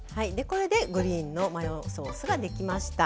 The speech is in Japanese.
これでグリーンのマヨソースが出来ました。